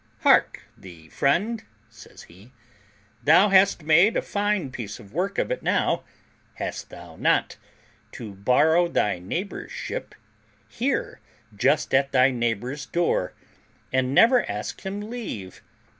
"Hark thee, friend," says he, "thou hast made a fine piece of work of it now, hast thou not, to borrow thy neighbour's ship here just at thy neighbour's door, and never ask him leave?